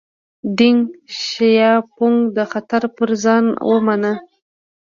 دینګ شیاپونګ دا خطر پر ځان ومانه.